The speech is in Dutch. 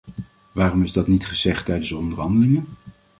Waarom is dat niet gezegd tijdens de onderhandelingen?